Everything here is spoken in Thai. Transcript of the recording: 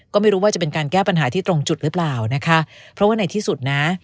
ก็ไม่รู้ว่าจะเป็นการแก้ปัญหาที่ตรงจุดหรือเปล่านะคะเพราะว่าในที่สุดนะ